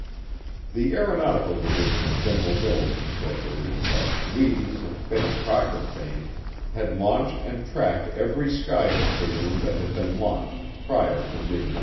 The Aeronautical Division of General Mills, Inc., of Wheaties and Betty Crocker fame, had launched and tracked every skyhook balloon that had been launched prior to mid 1952.